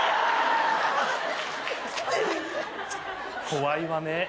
怖いわね。